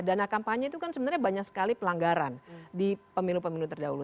dana kampanye itu kan sebenarnya banyak sekali pelanggaran di pemilu pemilu terdahulu